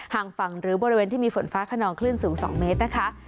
ห่างฝั่งหรือบริเวณที่มีฝนฟ้าขนองคลื่นสูง๒เมตรนะคะ